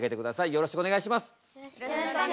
よろしくお願いします。